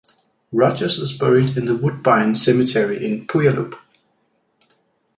Rogers is buried in the Woodbine Cemetery in Puyallup.